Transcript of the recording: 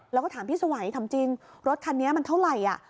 แล้วก็ถามพี่สวัยถามจริงรถคันนี้มันเท่าไหร่อ่ะ